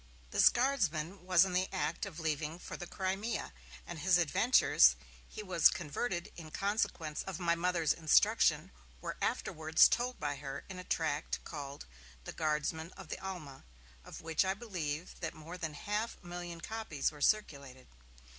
This guardsman was in the act of leaving for the Crimea, and his adventures, he was converted in consequence of my Mother's instruction, were afterwards told by her in a tract, called 'The Guardsman of the Alma', of which I believe that more than half a million copies were circulated.